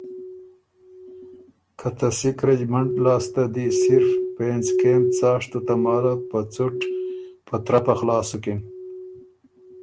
که ته سکھ رجمنټه لاسته دی صرف پېنځ کېم څاشتُو تماله په څُټ په ترپه خلاص سُکِن